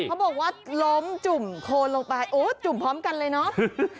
เขาบอกว่าล้มจุ่มโคนลงไปโอ้จุ่มพร้อมกันเลยเนาะ